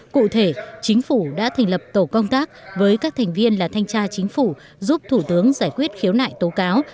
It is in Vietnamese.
cụ thể chính phủ đã thành lập tổ công tác với các thành viên là thanh tra chính phủ giúp thủ tướng giải quyết khiếu nại tố cáo